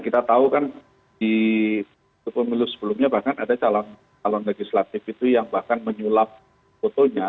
kita tahu kan di pemilu sebelumnya bahkan ada calon legislatif itu yang bahkan menyulap fotonya